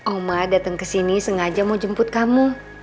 oma dateng kesini sengaja mau jemput kamu